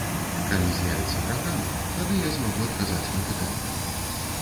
Калі з'явіцца праграма, тады я змагу адказаць на пытанне.